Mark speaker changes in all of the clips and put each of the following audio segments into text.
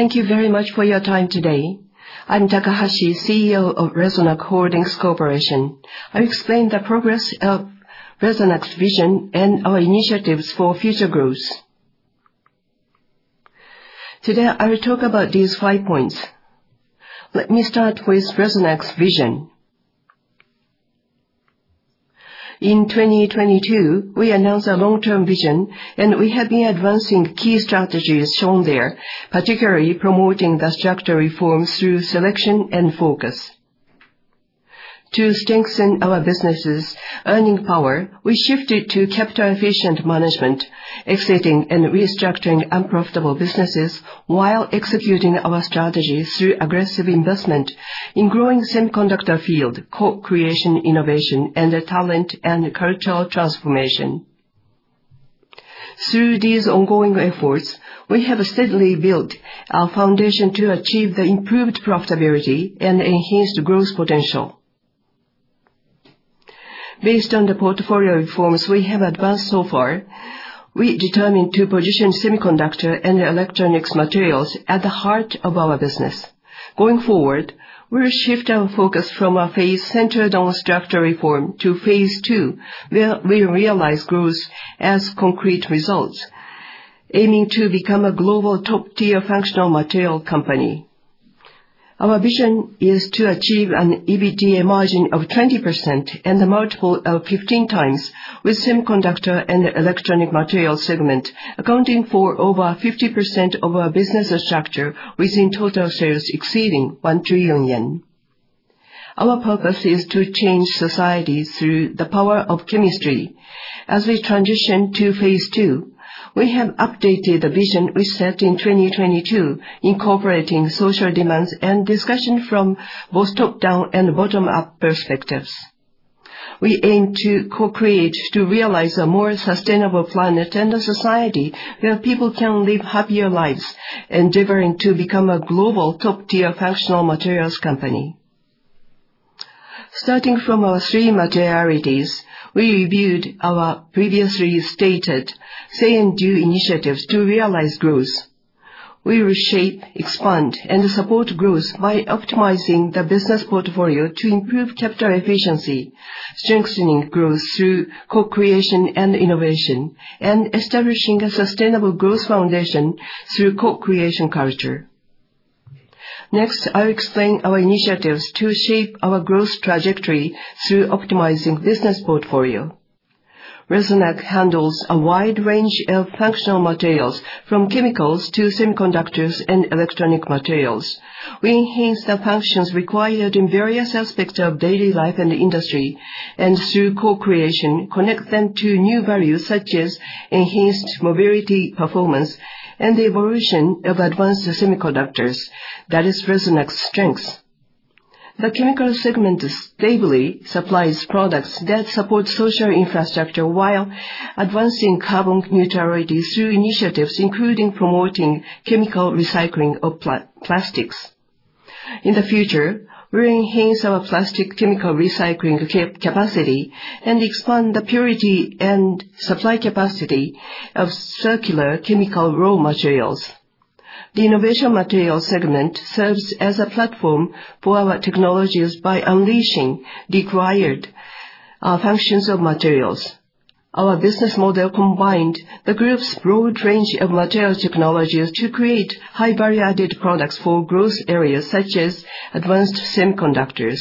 Speaker 1: Thank you very much for your time today. I'm Takahashi, CEO of Resonac Holdings Corporation. I explained the progress of Resonac's vision and our initiatives for future growth. Today, I will talk about these five points. Let me start with Resonac's vision. In 2022, we announced a long-term vision. We have been advancing key strategies shown there, particularly promoting the structure reforms through selection and focus. To strengthen our business's earning power, we shifted to capital efficient management, exiting and restructuring unprofitable businesses while executing our strategies through aggressive investment in growing semiconductor field, co-creation, innovation, and talent and cultural transformation. Through these ongoing efforts, we have steadily built our foundation to achieve the improved profitability and enhanced growth potential. Based on the portfolio reforms we have advanced so far, we determined to position semiconductor and electronic materials at the heart of our business. Going forward, we'll shift our focus from a phase centered on structure reform to phase 2, where we realize growth as concrete results, aiming to become a global top-tier functional material company. Our vision is to achieve an EBITDA margin of 20% and a multiple of 15x with Semiconductor and Electronic Materials segment, accounting for over 50% of our business structure within total sales exceeding 1 trillion yen. Our purpose is to change societies through the power of chemistry. As we transition to phase 2, we have updated the vision we set in 2022, incorporating social demands and discussion from both top-down and bottom-up perspectives. We aim to co-create to realize a more sustainable planet and a society where people can live happier lives, endeavoring to become a global top-tier functional materials company. Starting from our three materialities, we reviewed our previously stated "say and do" initiatives to realize growth. We reshape, expand, and support growth by optimizing the business portfolio to improve capital efficiency, strengthening growth through co-creation and innovation, and establishing a sustainable growth foundation through co-creation culture. Next, I'll explain our initiatives to shape our growth trajectory through optimizing business portfolio. Resonac handles a wide range of functional materials, from chemicals to semiconductors and electronic materials. We enhance the functions required in various aspects of daily life and the industry. Through co-creation, we connect them to new value, such as enhanced mobility performance and the evolution of advanced semiconductors. That is Resonac's strength. The chemical segment stably supplies products that support social infrastructure while advancing carbon neutrality through initiatives including promoting chemical recycling of plastics. In the future, we'll enhance our plastic chemical recycling capacity and expand the purity and supply capacity of circular chemical raw materials. The Innovation Material segment serves as a platform for our technologies by unleashing required functions of materials. Our business model combined the group's broad range of materials technologies to create high value-added products for growth areas such as advanced semiconductors.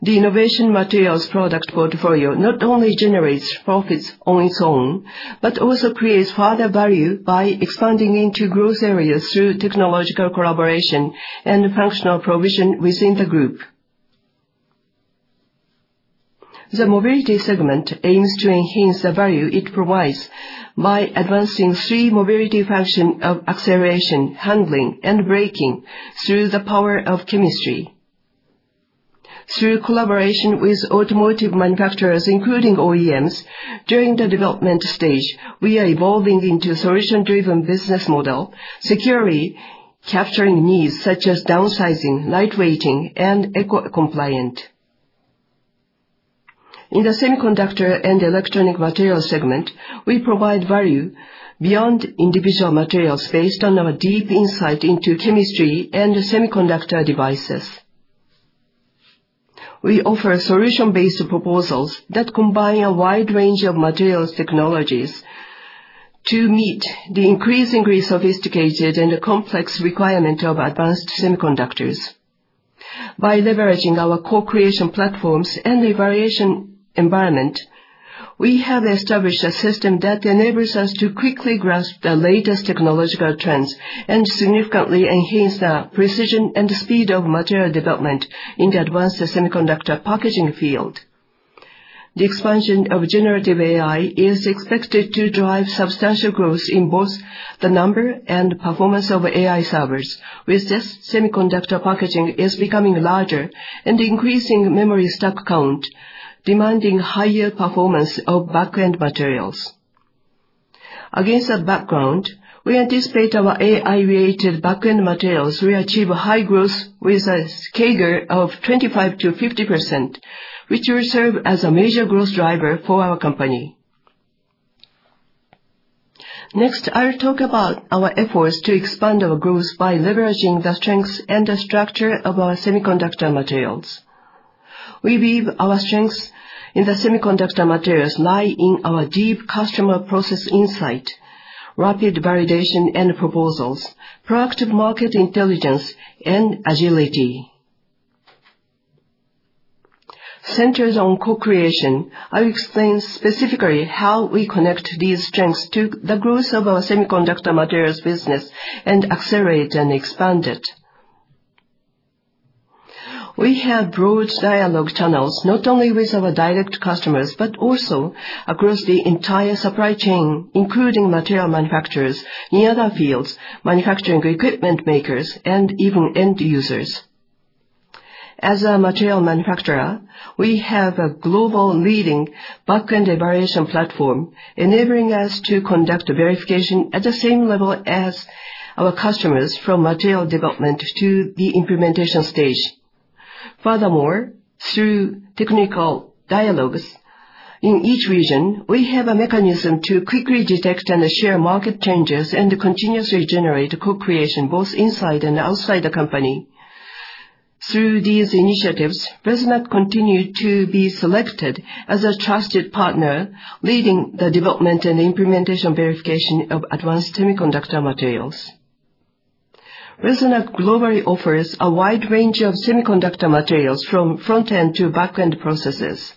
Speaker 1: The Innovation Materials product portfolio not only generates profits on its own, but also creates further value by expanding into growth areas through technological collaboration and functional provision within the group. The Mobility segment aims to enhance the value it provides by advancing three mobility functions of acceleration, handling, and braking through the power of chemistry. Through collaboration with automotive manufacturers, including OEMs during the development stage, we are evolving into solution-driven business model, securely capturing needs such as downsizing, lightweighting, and eco-compliant. In the Semiconductor and Electronic Material segment, we provide value beyond individual materials based on our deep insight into chemistry and semiconductor devices. We offer solution-based proposals that combine a wide range of materials technologies to meet the increasingly sophisticated and complex requirement of advanced semiconductors. By leveraging our co-creation platforms and the verification environment, we have established a system that enables us to quickly grasp the latest technological trends and significantly enhance the precision and speed of material development in the advanced semiconductor packaging field. The expansion of Generative AI is expected to drive substantial growth in both the number and performance of AI servers. With this, semiconductor packaging is becoming larger and increasing memory stock count, demanding higher performance of back-end materials. Against that background, we anticipate our AI-related back-end materials will achieve high growth with a CAGR of 25%-50%, which will serve as a major growth driver for our company. I'll talk about our efforts to expand our growth by leveraging the strengths and the structure of our semiconductor materials. We believe our strengths in the semiconductor materials lie in our deep customer process insight, rapid validation and proposals, proactive market intelligence, and agility. Centers on co-creation, I'll explain specifically how we connect these strengths to the growth of our semiconductor materials business and accelerate and expand it. We have broad dialogue channels, not only with our direct customers, but also across the entire supply chain, including material manufacturers in other fields, manufacturing equipment makers, and even end users. As a material manufacturer, we have a global leading back-end evaluation platform, enabling us to conduct verification at the same level as our customers from material development to the implementation stage. Through technical dialogues in each region, we have a mechanism to quickly detect and share market changes and continuously generate co-creation, both inside and outside the company. Through these initiatives, Resonac continued to be selected as a trusted partner, leading the development and implementation verification of advanced semiconductor materials. Resonac globally offers a wide range of semiconductor materials from front-end to back-end processes.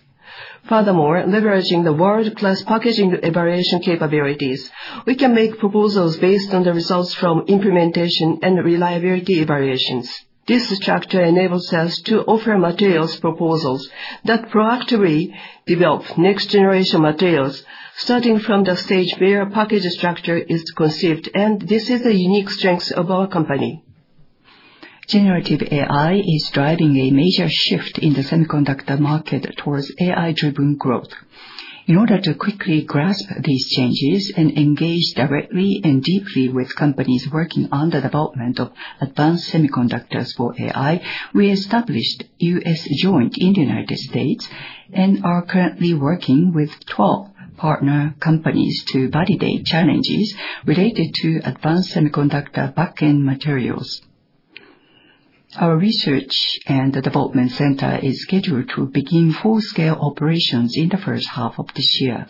Speaker 1: Leveraging the world-class packaging evaluation capabilities, we can make proposals based on the results from implementation and reliability evaluations. This structure enables us to offer materials proposals that proactively develop next generation materials, starting from the stage where a package structure is conceived, and this is the unique strength of our company. Generative AI is driving a major shift in the semiconductor market towards AI-driven growth. In order to quickly grasp these changes and engage directly and deeply with companies working on the development of advanced semiconductors for AI, we established US-JOINT in the United States and are currently working with 12 partner companies to validate challenges related to advanced semiconductor back-end materials. Our research and development center is scheduled to begin full-scale operations in the first half of this year.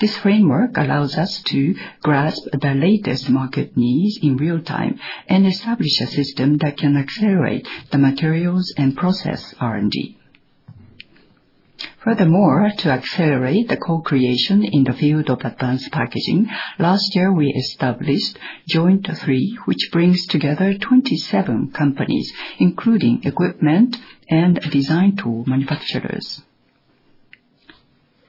Speaker 1: This framework allows us to grasp the latest market needs in real time and establish a system that can accelerate the materials and process R&D. To accelerate the co-creation in the field of advanced packaging, last year, we established JOINT3, which brings together 27 companies, including equipment and design tool manufacturers.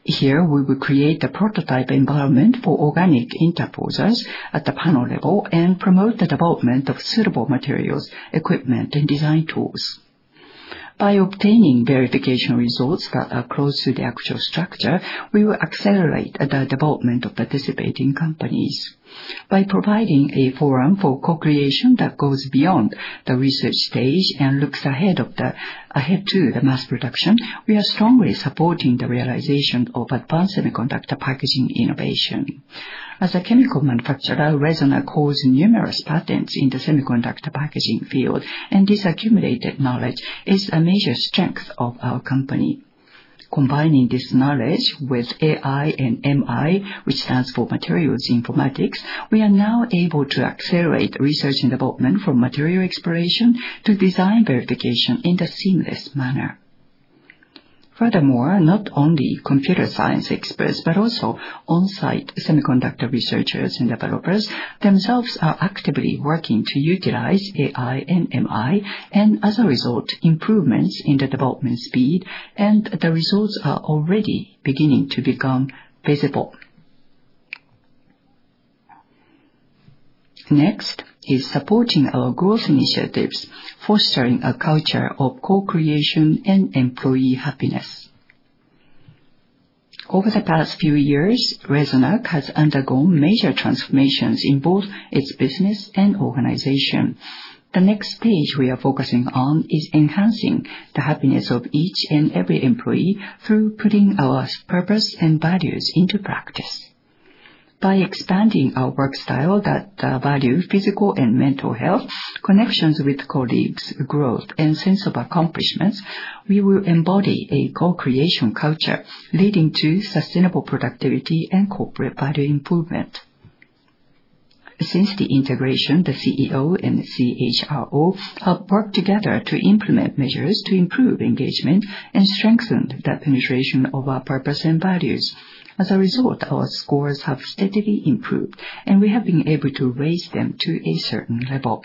Speaker 1: Here, we will create a prototype environment for organic interposers at the panel level and promote the development of suitable materials, equipment, and design tools. By obtaining verification results that are close to the actual structure, we will accelerate the development of participating companies. By providing a forum for co-creation that goes beyond the research stage and looks ahead to mass production, we are strongly supporting the realization of advanced semiconductor packaging innovation. As a chemical manufacturer, Resonac holds numerous patents in the semiconductor packaging field, and this accumulated knowledge is a major strength of our company. Combining this knowledge with AI and MI, which stands for materials informatics, we are now able to accelerate R&D from material exploration to design verification in a seamless manner. Furthermore, not only computer science experts, but also on-site semiconductor researchers and developers themselves are actively working to utilize AI and MI. As a result, improvements in the development speed and the results are already beginning to become visible. Next is supporting our growth initiatives, fostering a culture of co-creation and employee happiness. Over the past few years, Resonac has undergone major transformations in both its business and organization. The next stage we are focusing on is enhancing the happiness of each and every employee through putting our purpose and values into practice. By expanding our work style that values physical and mental health, connections with colleagues, growth, and sense of accomplishments, we will embody a co-creation culture leading to sustainable productivity and corporate value improvement. Since the integration, the CEO and CHRO have worked together to implement measures to improve engagement and strengthened the penetration of our purpose and values. As a result, our scores have steadily improved, and we have been able to raise them to a certain level.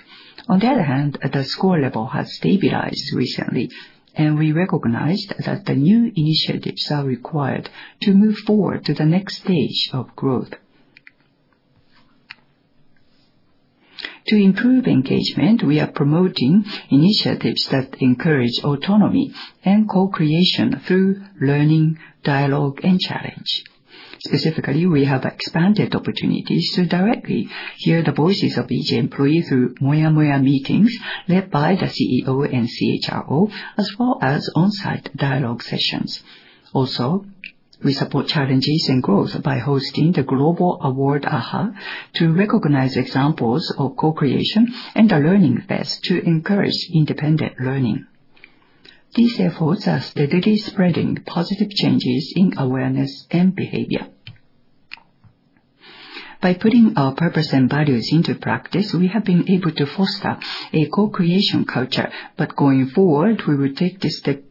Speaker 1: On the other hand, the score level has stabilized recently, and we recognized that new initiatives are required to move forward to the next stage of growth. To improve engagement, we are promoting initiatives that encourage autonomy and co-creation through learning, dialogue, and challenge. Specifically, we have expanded opportunities to directly hear the voices of each employee through Moyamoya Meetings led by the CEO and CHRO, as well as on-site dialogue sessions. Also, we support challenges and growth by hosting the Global Award AHA! to recognize examples of co-creation and a learning fest to encourage independent learning. These efforts are steadily spreading positive changes in awareness and behavior By putting our purpose and values into practice, we have been able to foster a co-creation culture. Going forward, we will take this step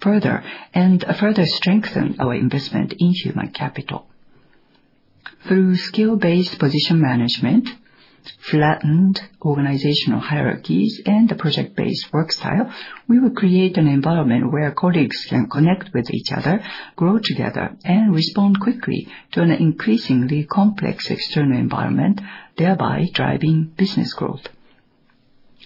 Speaker 1: further and further strengthen our investment in human capital. Through skill-based position management, flattened organizational hierarchies, and project-based work style, we will create an environment where colleagues can connect with each other, grow together, and respond quickly to an increasingly complex external environment, thereby driving business growth.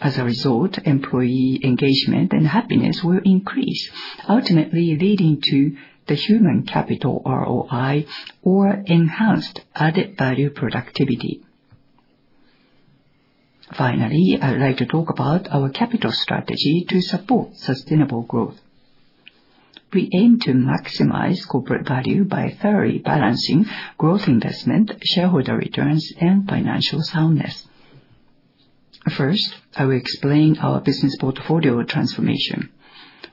Speaker 1: As a result, employee engagement and happiness will increase, ultimately leading to the human capital ROI or enhanced added value productivity. Finally, I would like to talk about our capital strategy to support sustainable growth. We aim to maximize corporate value by thoroughly balancing growth investment, shareholder returns, and financial soundness. First, I will explain our business portfolio transformation.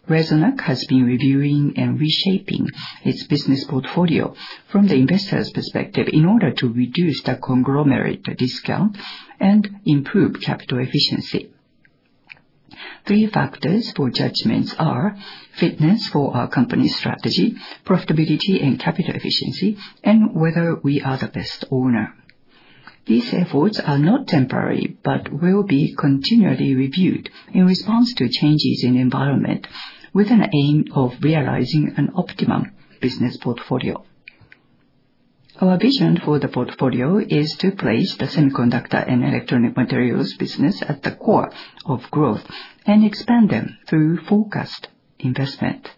Speaker 2: Resonac has been reviewing and reshaping its business portfolio from the investor's perspective in order to reduce the conglomerate discount and improve capital efficiency. Three factors for judgments are fitness for our company strategy, profitability and capital efficiency, and whether we are the best owner. These efforts are not temporary, but will be continually reviewed in response to changes in environment with an aim of realizing an optimum business portfolio. Our vision for the portfolio is to place the Semiconductor and Electronic Materials business at the core of growth and expand them through focused investment.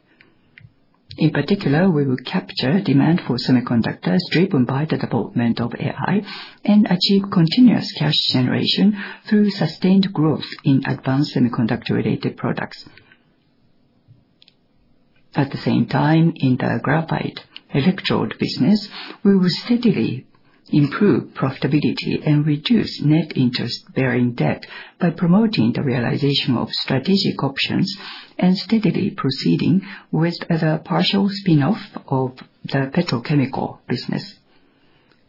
Speaker 2: In particular, we will capture demand for semiconductors driven by the development of AI, and achieve continuous cash generation through sustained growth in advanced semiconductor-related products. At the same time, in the graphite electrode business, we will steadily improve profitability and reduce net interest-bearing debt by promoting the realization of strategic options and steadily proceeding with the partial spinoff of the petrochemical business.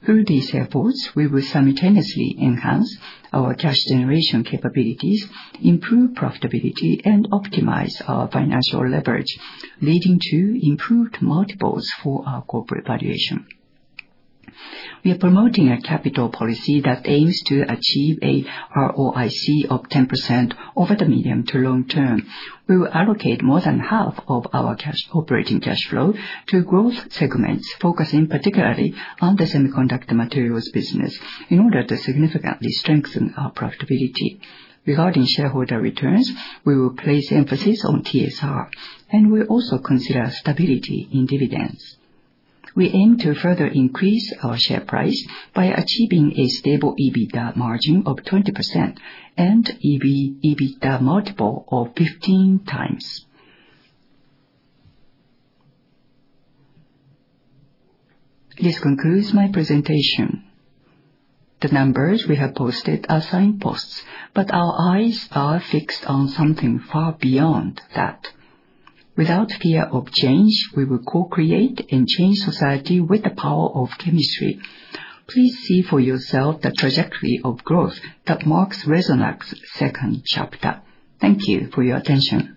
Speaker 2: Through these efforts, we will simultaneously enhance our cash generation capabilities, improve profitability, and optimize our financial leverage, leading to improved multiples for our corporate valuation. We are promoting a capital policy that aims to achieve an ROIC of 10% over the medium to long term. We will allocate more than half of our operating cash flow to growth segments, focusing particularly on the semiconductor materials business in order to significantly strengthen our profitability. Regarding shareholder returns, we will place emphasis on TSR, and we also consider stability in dividends. We aim to further increase our share price by achieving a stable EBITDA margin of 20% and EBITDA multiple of 15x. This concludes my presentation. The numbers we have posted are signposts, but our eyes are fixed on something far beyond that. Without fear of change, we will co-create and change society with the power of chemistry. Please see for yourself the trajectory of growth that marks Resonac's second chapter. Thank you for your attention.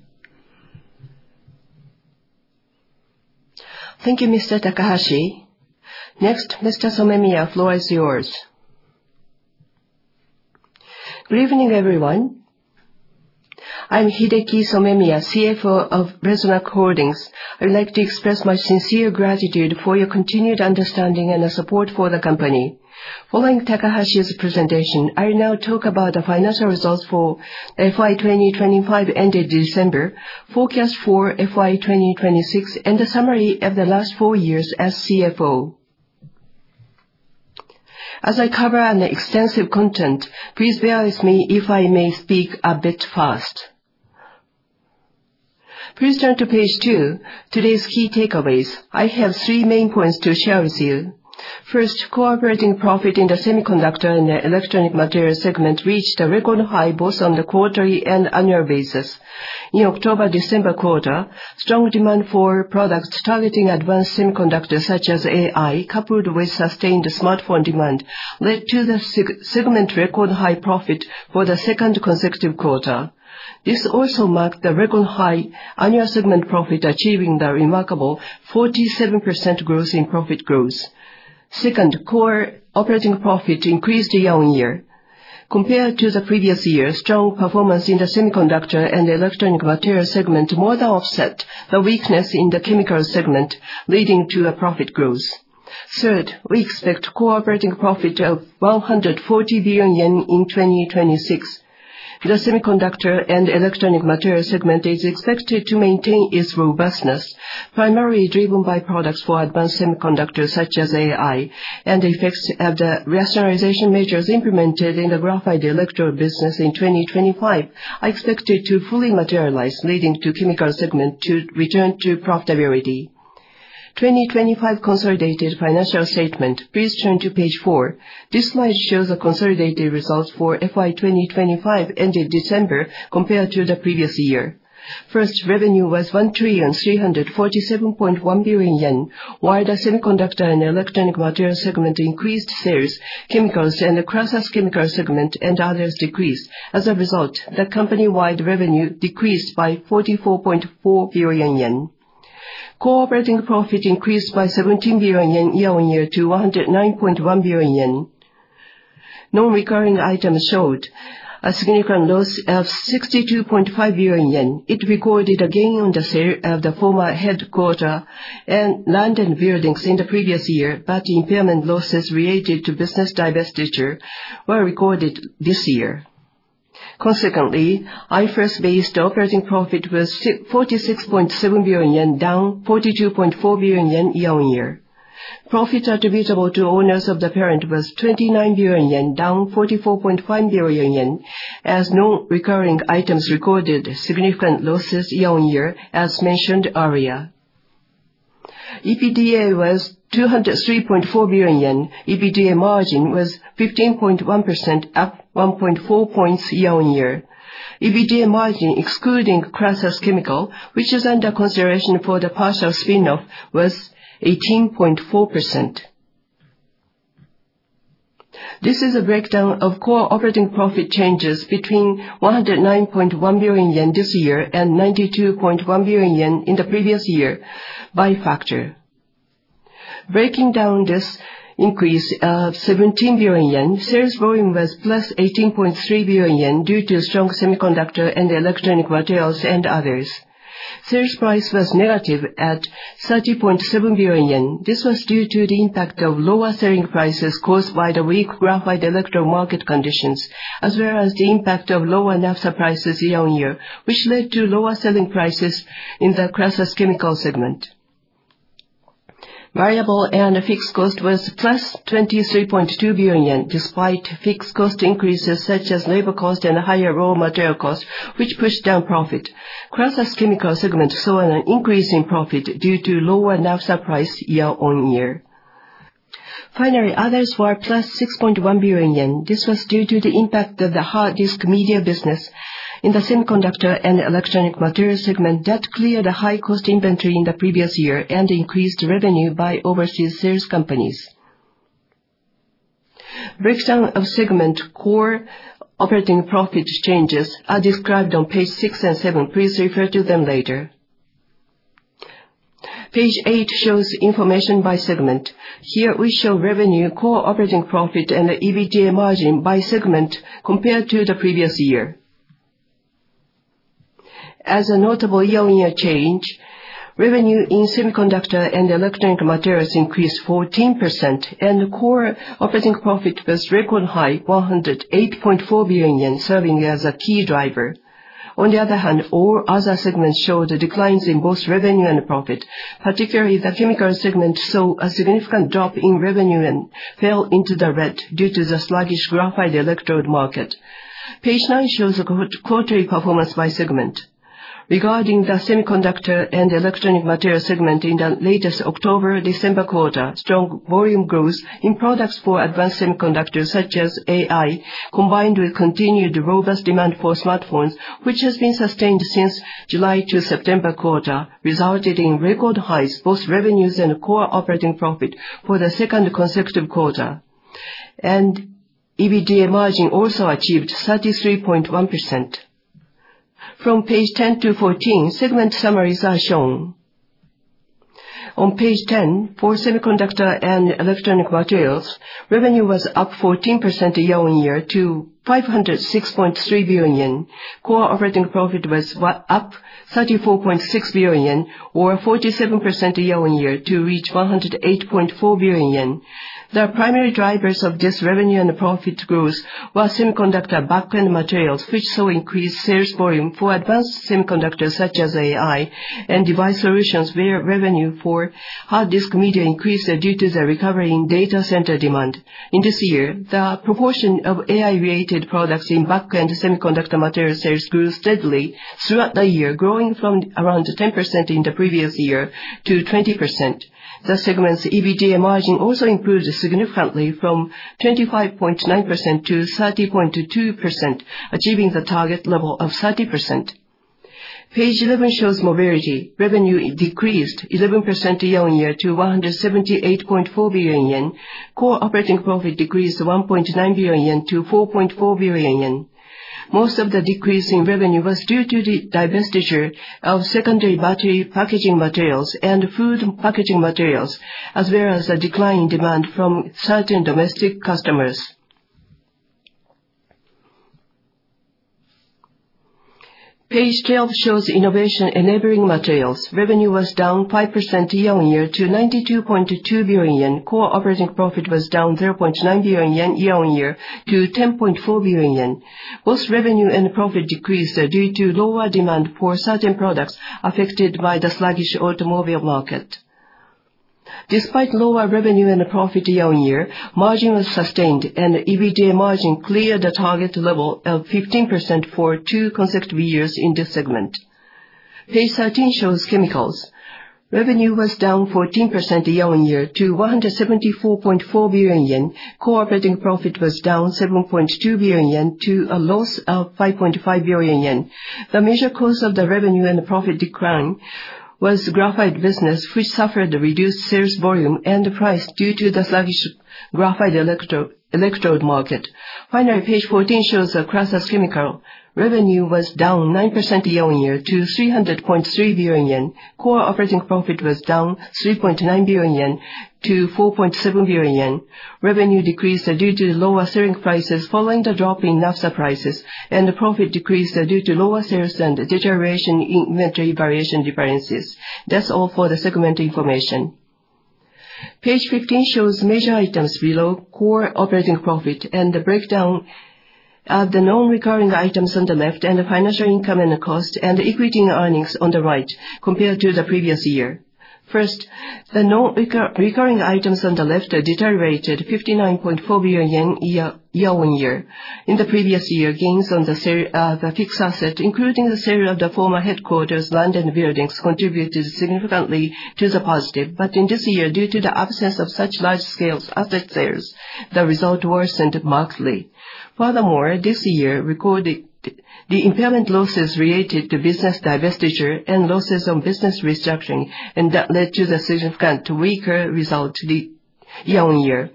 Speaker 3: Thank you, Mr. Takahashi. Next, Mr. Somemiya, floor is yours. Good evening, everyone. I'm Hideki Somemiya, CFO of Resonac Holdings. I would like to express my sincere gratitude for your continued understanding and support for the company. Following Takahashi's presentation, I now talk about the financial results for FY 2025 ended December, forecast for FY 2026, and a summary of the last four years as CFO. As I cover extensive content, please bear with me if I may speak a bit fast. Please turn to page two, today's key takeaways. I have three main points to share with you. First, core operating profit in the Semiconductor and Electronic Materials segment reached a record high both on the quarterly and annual basis. In October-December quarter, strong demand for products targeting advanced semiconductors such as AI, coupled with sustained smartphone demand, led to the segment record high profit for the second consecutive quarter.
Speaker 2: This also marked the record high annual segment profit, achieving the remarkable 47% growth in profit growth. Second, core operating profit increased year-on-year. Compared to the previous year, strong performance in the Semiconductor and Electronic Materials segment more than offset the weakness in the chemicals segment, leading to a profit growth. Third, we expect core operating profit of 140 billion yen in 2026. The Semiconductor and Electronic Materials segment is expected to maintain its robustness, primarily driven by products for advanced semiconductors such as AI. The effects of the rationalization measures implemented in the graphite electrode business in 2025 are expected to fully materialize, leading the chemical segment to return to profitability. 2025 consolidated financial statement. Please turn to page four. This slide shows the consolidated results for FY 2025 ended December compared to the previous year. First, revenue was 1,347.1 billion yen, while the Semiconductor and Electronic Materials segment increased sales, Chemicals and the Crasus Chemical segment and others decreased. As a result, the company-wide revenue decreased by 44.4 billion yen. Operating profit increased by 17 billion yen year-on-year to 109.1 billion yen. Non-recurring items showed a significant loss of 62.5 billion yen. It recorded a gain on the sale of the former headquarter and London buildings in the previous year. Impairment losses related to business divestiture were recorded this year. Consequently, IFRS-based operating profit was 46.7 billion yen, down 42.4 billion yen year-on-year. Profit attributable to owners of the parent was 29 billion yen, down 44.5 billion yen, as non-recurring items recorded significant losses year-on-year, as mentioned earlier. EBITDA was 203.4 billion yen. EBITDA margin was 15.1%, up 1.4 points year-on-year. EBITDA margin excluding Crasus Chemical, which is under consideration for the partial spin-off, was 18.4%. This is a breakdown of core operating profit changes between 109.1 billion yen this year and 92.1 billion yen in the previous year by factor. Breaking down this increase of 17 billion yen, sales volume was plus 18.3 billion yen due to strong Semiconductor and Electronic Materials and others. Sales price was negative at 30.7 billion yen. This was due to the impact of lower selling prices caused by the weak graphite electrode market conditions, as well as the impact of lower naphtha prices year-on-year, which led to lower selling prices in the Crasus Chemical segment. Variable and fixed cost was plus 23.2 billion, despite fixed cost increases such as labor cost and higher raw material cost, which pushed down profit. Crasus Chemical segment saw an increase in profit due to lower naphtha price year-on-year. Others were +6.1 billion yen. This was due to the impact of the hard disk media business in the Semiconductor and Electronic Materials segment that cleared the high-cost inventory in the previous year and increased revenue by overseas sales companies. Breakdown of segment core operating profit changes are described on page six and seven. Please refer to them later. Page eight shows information by segment. Here, we show revenue, core operating profit, and the EBITDA margin by segment compared to the previous year. As a notable year-on-year change, revenue in Semiconductor and Electronic Materials increased 14%, and the core operating profit was record high, 108.4 billion yen, serving as a key driver. On the other hand, all other segments showed declines in both revenue and profit, particularly the Chemical segment, saw a significant drop in revenue and fell into the red due to the sluggish graphite electrode market. Page nine shows the quarterly performance by segment. Regarding the Semiconductor and Electronic Materials segment in the latest October-December quarter, strong volume growth in products for advanced semiconductors such as AI, combined with continued robust demand for smartphones, which has been sustained since July-September quarter, resulted in record highs, both revenues and core operating profit, for the second consecutive quarter. EBITDA margin also achieved 33.1%. From page 10 to 14, segment summaries are shown. On page 10, for Semiconductor and Electronic Materials, revenue was up 14% year-on-year to 506.3 billion JPY. Core operating profit was up 34.6 billion JPY, or 47% year-on-year, to reach 108.4 billion JPY. The primary drivers of this revenue and profit growth were semiconductor back-end materials, which saw increased sales volume for advanced semiconductors such as AI, and device solutions where revenue for hard disk media increased due to the recovery in data center demand. In this year, the proportion of AI-related products in back-end semiconductor material sales grew steadily throughout the year, growing from around 10% in the previous year to 20%. The segment's EBITDA margin also improved significantly, from 25.9% to 30.2%, achieving the target level of 30%. Page 11 shows Mobility. Revenue decreased 11% year-on-year to 178.4 billion yen. Core operating profit decreased 1.9 billion yen to 4.4 billion yen. Most of the decrease in revenue was due to the divestiture of secondary battery packaging materials and food packaging materials, as well as a decline in demand from certain domestic customers. Page 12 shows Innovation Enabling Materials. Revenue was down 5% year-on-year to 92.2 billion yen. Core operating profit was down 0.9 billion yen year-on-year to 10.4 billion yen. Both revenue and profit decreased due to lower demand for certain products affected by the sluggish automobile market. Despite lower revenue and profit year-on-year, margin was sustained and EBITDA margin cleared the target level of 15% for two consecutive years in this segment. Page 13 shows Chemicals. Revenue was down 14% year-on-year to 174.4 billion yen. Core operating profit was down 7.2 billion yen to a loss of 5.5 billion yen. The major cause of the revenue and the profit decline was graphite business, which suffered a reduced sales volume and price due to the sluggish graphite electrode market. Page 14 shows Crasus Chemical. Revenue was down 9% year-on-year to 300.3 billion yen. Core operating profit was down 3.9 billion yen to 4.7 billion yen. Revenue decreased due to lower selling prices following the drop in naphtha prices, and the profit decreased due to lower sales and deterioration in inventory valuation differences. That's all for the segment information. Page 15 shows major items below core operating profit and the breakdown of the non-recurring items on the left, and the financial income and the cost, and the equity earnings on the right compared to the previous year. First, the non-recurring items on the left deteriorated 59.4 billion yen year-on-year. In the previous year, gains on the fixed assets, including the sale of the former headquarters, land and buildings, contributed significantly to the positive. But in this year, due to the absence of such large-scale asset sales, the result worsened markedly. Furthermore, this year recorded the impairment losses related to business divestiture and losses on business restructuring, and that led to the significant weaker result year-on-year.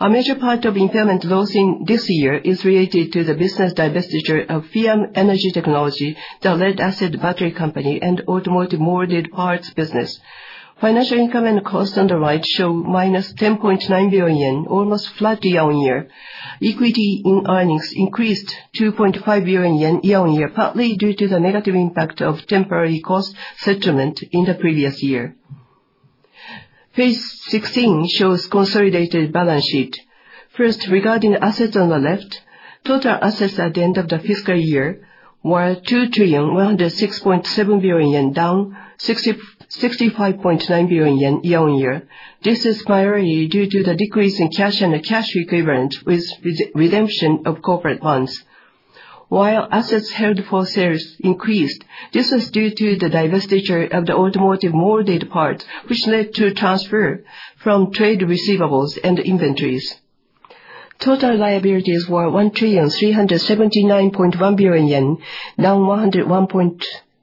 Speaker 2: A major part of impairment loss in this year is related to the business divestiture of FIAMM Energy Technology, the lead-acid battery company, and automotive molded parts business. Financial income and cost on the right show minus 10.9 billion, almost flat year-on-year. Equity in earnings increased 2.5 billion yen year-on-year, partly due to the negative impact of temporary cost settlement in the previous year. Page 16 shows consolidated balance sheet. First, regarding assets on the left, total assets at the end of the fiscal year were 2 trillion, 106.7 billion, down 65.9 billion yen year-on-year. This is primarily due to the decrease in cash and cash equivalent with redemption of corporate bonds. While assets held for sale increased, this was due to the divestiture of the automotive molded parts, which led to transfer from trade receivables and inventories. Total liabilities were 1 trillion, 379.1 billion, down 101.5 billion yen year-on-year.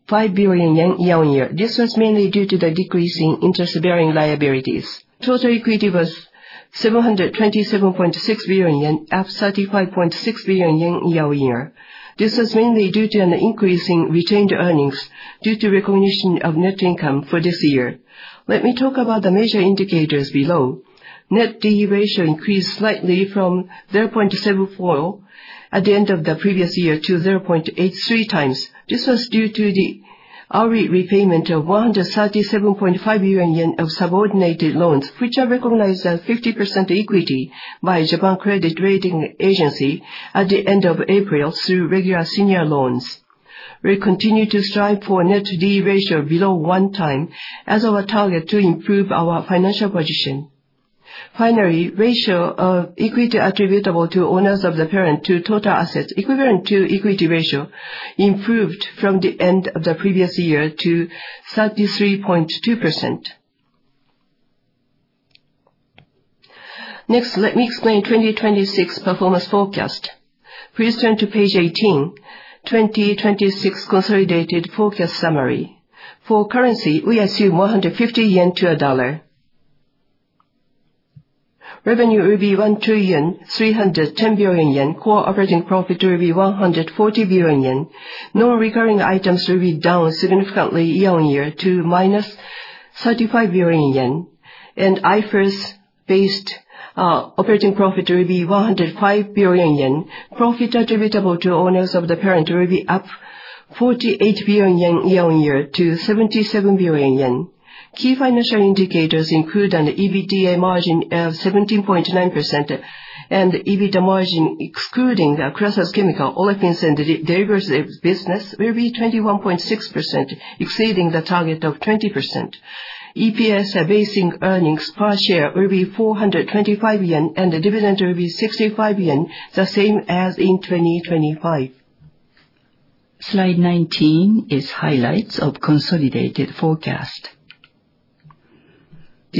Speaker 2: This was mainly due to the decrease in interest-bearing liabilities. Total equity was 727.6 billion yen, up 35.6 billion yen year-on-year. This was mainly due to an increase in retained earnings due to recognition of net income for this year. Let me talk about the major indicators below. net D/E ratio increased slightly from 0.74 at the end of the previous year to 0.83 times. This was due to the early repayment of 137.5 billion yen of subordinated loans, which are recognized as 50% equity by Japan Credit Rating Agency at the end of April through regular senior loans. We continue to strive for net D/E ratio below one time as our target to improve our financial position. Finally, ratio of equity attributable to owners of the parent to total assets equivalent to equity ratio improved from the end of the previous year to 33.2%. Next, let me explain 2026 performance forecast. Please turn to page 18, 2026 consolidated forecast summary. For currency, we assume 150 yen to a dollar. Revenue will be 1 trillion, 310 billion. Core operating profit will be 140 billion yen. Non-recurring items will be down significantly year-on-year to minus 35 billion yen. IFRS-based operating profit will be 105 billion yen. Profit attributable to owners of the parent will be up 48 billion yen year-on-year to 77 billion yen. Key financial indicators include an EBITDA margin of 17.9% and the EBITDA margin excluding the Crasus Chemical Olefins and Derivatives business will be 21.6%, exceeding the target of 20%. EPS basic earnings per share will be 425 yen, and the dividend will be 65 yen, the same as in 2025. Slide 19 is highlights of consolidated forecast.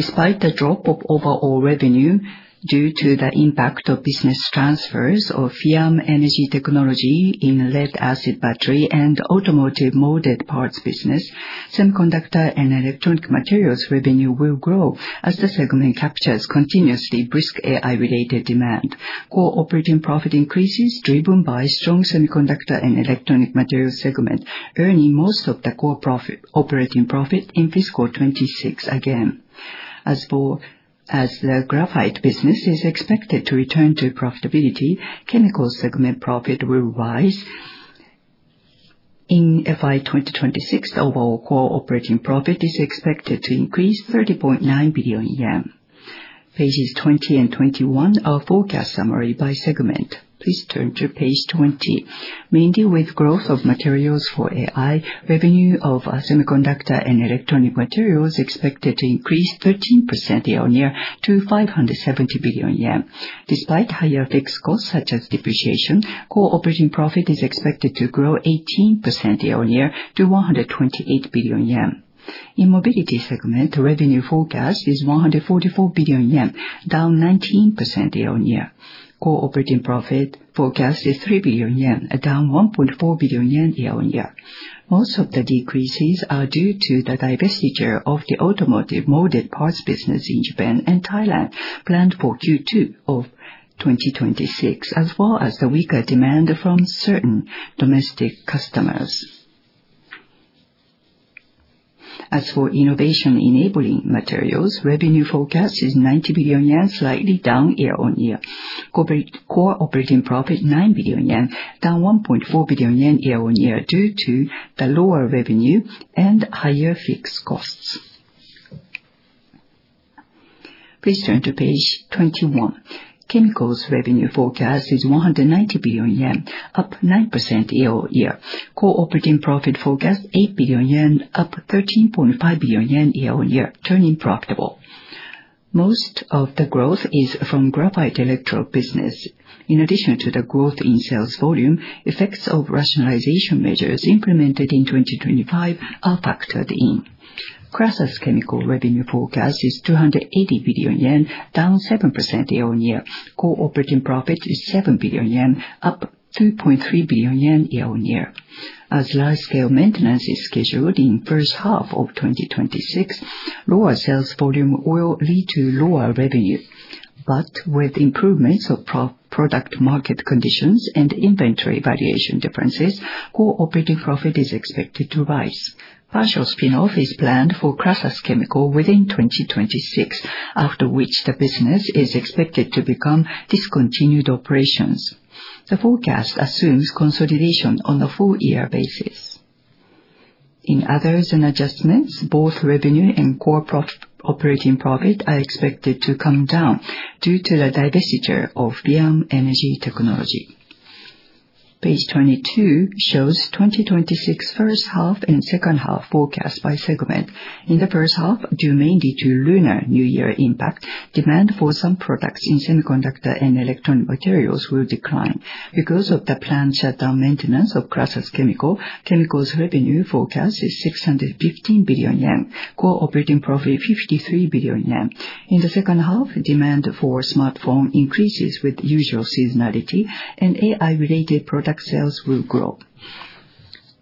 Speaker 2: Despite the drop of overall revenue due to the impact of business transfers of FIAMM Energy Technology in lead-acid battery and automotive molded parts business, Semiconductor and Electronic Materials revenue will grow as the segment captures continuously brisk AI-related demand. Core operating profit increases driven by strong Semiconductor and Electronic Materials segment, earning most of the core operating profit in fiscal 2026 again. As the graphite business is expected to return to profitability, chemical segment profit will rise. In FY 2026, overall core operating profit is expected to increase 30.9 billion yen. Pages 20 and 21, our forecast summary by segment. Please turn to page 20. Mainly with growth of materials for AI, revenue of Semiconductor and Electronic Materials expected to increase 13% year-on-year to 570 billion yen. Despite higher fixed costs such as depreciation, core operating profit is expected to grow 18% year-on-year to 128 billion yen. In Mobility segment, revenue forecast is 144 billion yen, down 19% year-on-year. Core operating profit forecast is 3 billion yen, down 1.4 billion yen year-on-year. Most of the decreases are due to the divestiture of the automotive molded parts business in Japan and Thailand planned for Q2 of 2026, as well as the weaker demand from certain domestic customers. As for Innovation Enabling Materials, revenue forecast is 90 billion yen, slightly down year-on-year. Core operating profit, 9 billion yen, down 1.4 billion yen year-on-year due to the lower revenue and higher fixed costs. Please turn to page 21. Chemicals revenue forecast is 190 billion yen, up 9% year-on-year. Core operating profit forecast, 8 billion yen, up 13.5 billion yen year-on-year, turning profitable. Most of the growth is from graphite electrode business. In addition to the growth in sales volume, effects of rationalization measures implemented in 2025 are factored in. Crasus Chemical revenue forecast is 280 billion yen, down 7% year-on-year. Core operating profit is 7 billion yen, up 2.3 billion yen year-on-year. As large scale maintenance is scheduled in first half of 2026, lower sales volume will lead to lower revenue. With improvements of product market conditions and inventory valuation differences, core operating profit is expected to rise. Partial spin-off is planned for Crasus Chemical within 2026, after which the business is expected to become discontinued operations. The forecast assumes consolidation on the full year basis. In others and adjustments, both revenue and core operating profit are expected to come down due to the divestiture of FIAMM Energy Technology. Page 22 shows 2026 first half and second half forecast by segment. In the first half, due mainly to Lunar New Year impact, demand for some products in Semiconductor and Electronic Materials will decline. Because of the planned shutdown maintenance of Crasus Chemical, chemicals revenue forecast is 615 billion yen, core operating profit 53 billion yen. In the second half, demand for smartphone increases with usual seasonality and AI-related product sales will grow.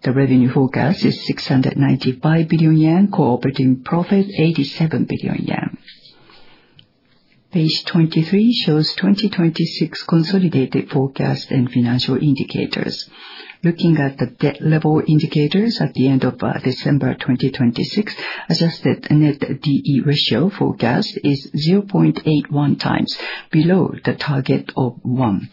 Speaker 2: The revenue forecast is 695 billion yen, core operating profit 87 billion yen. Page 23 shows 2026 consolidated forecast and financial indicators. Looking at the debt level indicators at the end of December 2026, adjusted net D/E ratio forecast is 0.81 times, below the target of one.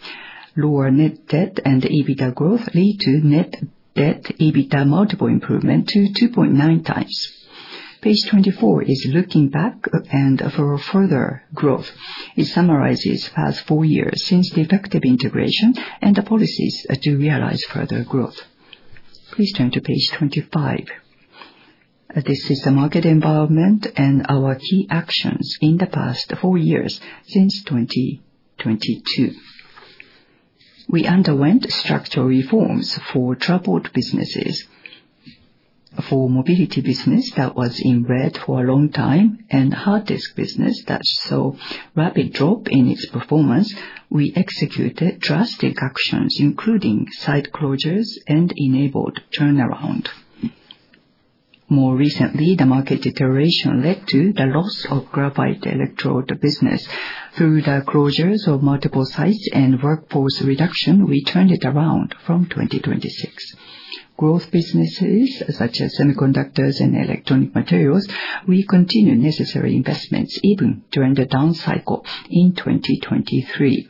Speaker 2: Lower net debt and EBITDA growth lead to net debt/EBITDA multiple improvement to 2.9 times. Page 24 is looking back and for further growth. It summarizes past four years since the effective integration and the policies to realize further growth. Please turn to page 25. This is the market environment and our key actions in the past four years since 2022. We underwent structural reforms for troubled businesses. For Mobility business that was in red for a long time and hard disk business that saw rapid drop in its performance, we executed drastic actions, including site closures and enabled turnaround. More recently, the market deterioration led to the loss of graphite electrode business. Through the closures of multiple sites and workforce reduction, we turned it around from 2026. Growth businesses such as Semiconductor and Electronic Materials, we continue necessary investments even during the down cycle in 2023.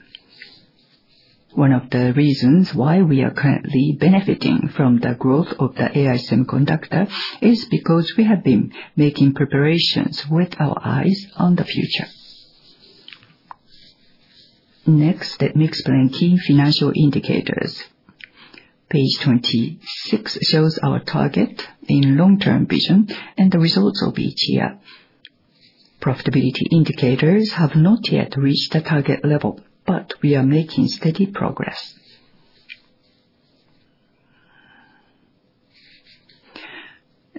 Speaker 2: One of the reasons why we are currently benefiting from the growth of the AI semiconductor is because we have been making preparations with our eyes on the future. Next, let me explain key financial indicators. Page 26 shows our target in long-term vision and the results of each year. Profitability indicators have not yet reached the target level, but we are making steady progress.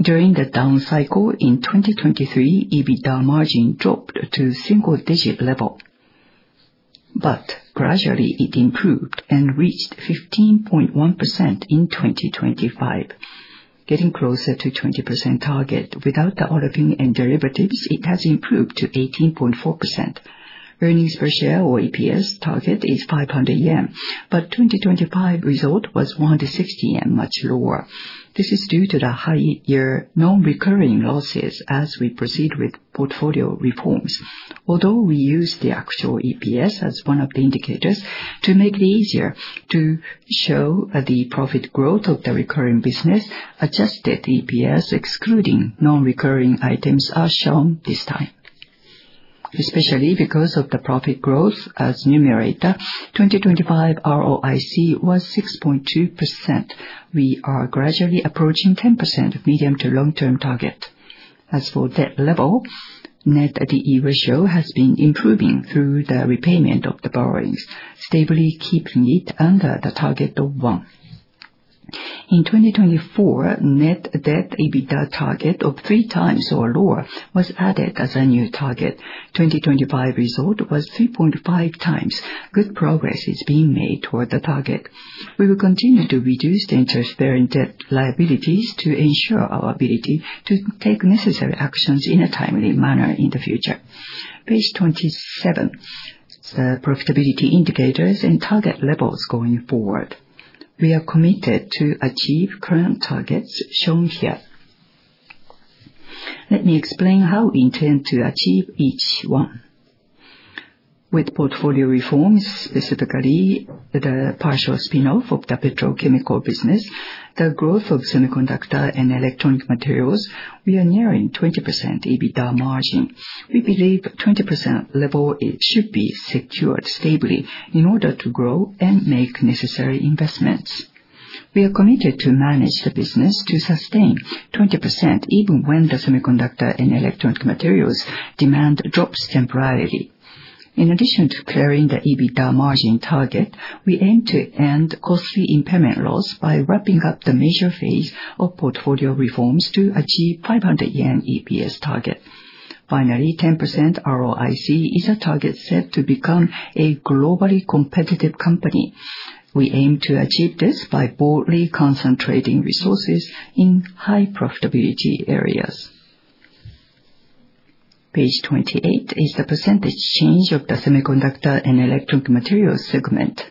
Speaker 2: During the down cycle in 2023, EBITDA margin dropped to single-digit level. But gradually it improved and reached 15.1% in 2025, getting closer to 20% target. Without the Olefins and Derivatives, it has improved to 18.4%. Earnings per share or EPS target is 500 yen, but 2025 result was 160 yen, much lower. This is due to the higher non-recurring losses as we proceed with portfolio reforms. Although we use the actual EPS as one of the indicators to make it easier to show the profit growth of the recurring business, adjusted EPS excluding non-recurring items are shown this time. Especially because of the profit growth as numerator, 2025 ROIC was 6.2%. We are gradually approaching 10% medium-to-long-term target. As for debt level, net D/E ratio has been improving through the repayment of the borrowings, stably keeping it under the target of one. In 2024, net debt EBITDA target of three times or lower was added as a new target. 2025 result was 3.5 times. Good progress is being made toward the target. We will continue to reduce the interest-bearing debt liabilities to ensure our ability to take necessary actions in a timely manner in the future. Page 27, the profitability indicators and target levels going forward. We are committed to achieve current targets shown here. Let me explain how we intend to achieve each one. With portfolio reforms, specifically the partial spin-off of the petrochemical business, the growth of Semiconductor and Electronic Materials, we are nearing 20% EBITDA margin. We believe 20% level should be secured stably in order to grow and make necessary investments. We are committed to manage the business to sustain 20%, even when the Semiconductor and Electronic Materials demand drops temporarily. In addition to clearing the EBITDA margin target, we aim to end costly impairment loss by wrapping up the major phase of portfolio reforms to achieve 500 yen EPS target. Finally, 10% ROIC is a target set to become a globally competitive company. We aim to achieve this by boldly concentrating resources in high profitability areas. Page 28 is the percentage change of the Semiconductor and Electronic Materials segment.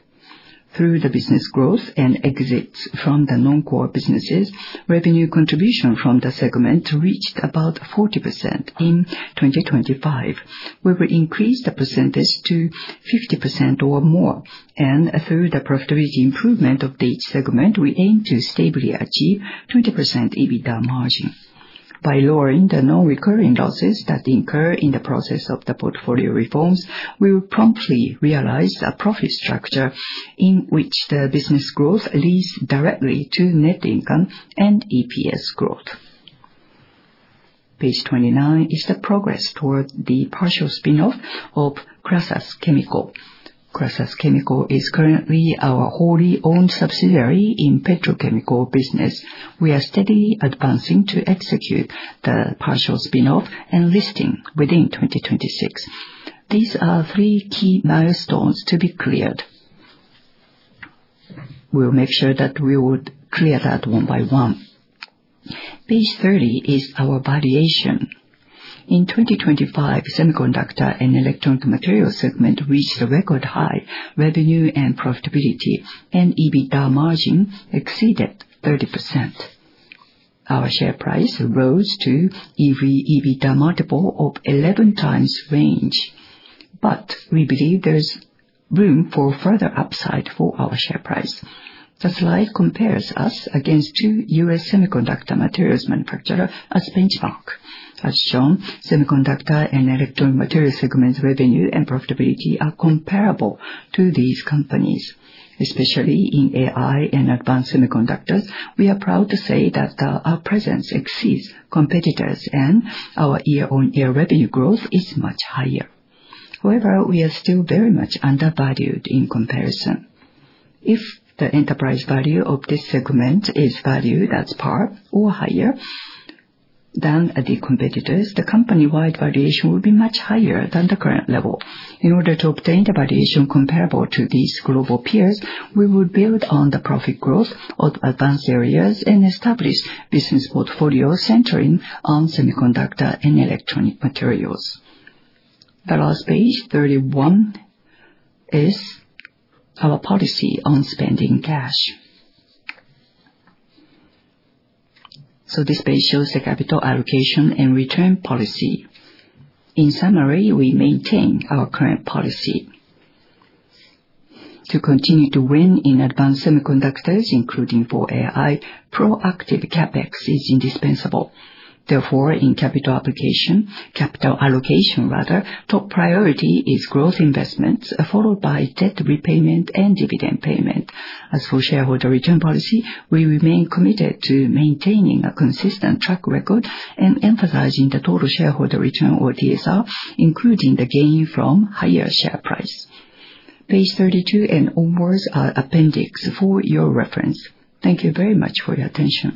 Speaker 2: Through the business growth and exits from the non-core businesses, revenue contribution from the segment reached about 40% in 2025. We will increase the percentage to 50% or more, and through the profitability improvement of each segment, we aim to stably achieve 20% EBITDA margin. By lowering the non-recurring losses that incur in the process of the portfolio reforms, we will promptly realize a profit structure in which the business growth leads directly to net income and EPS growth. Page 29 is the progress toward the partial spin-off of Crasus Chemical. Crasus Chemical is currently our wholly-owned subsidiary in petrochemical business. We are steadily advancing to execute the partial spin-off and listing within 2026. These are three key milestones to be cleared. We'll make sure that we would clear that one by one. Page 30 is our valuation. In 2025, Semiconductor and Electronic Materials segment reached a record high revenue and profitability, and EBITDA margin exceeded 30%. Our share price rose to EV/EBITDA multiple of 11 times range. We believe there's room for further upside for our share price. The slide compares us against two U.S. semiconductor materials manufacturer as benchmark. As shown, Semiconductor and Electronic Materials segments revenue and profitability are comparable to these companies. Especially in AI and advanced semiconductors, we are proud to say that our presence exceeds competitors and our year-on-year revenue growth is much higher. We are still very much undervalued in comparison. If the enterprise value of this segment is valued at par or higher than the competitors, the company-wide valuation will be much higher than the current level. In order to obtain the valuation comparable to these global peers, we will build on the profit growth of advanced areas and establish business portfolio centering on Semiconductor and Electronic Materials. The last page 31 is our policy on spending cash. This page shows the capital allocation and return policy. In summary, we maintain our current policy. To continue to win in advanced semiconductors, including for AI, proactive CapEx is indispensable. In capital allocation, top priority is growth investments, followed by debt repayment and dividend payment. As for shareholder return policy, we remain committed to maintaining a consistent track record and emphasizing the total shareholder return, or TSR, including the gain from higher share price. Page 32 and onwards are appendix for your reference. Thank you very much for your attention.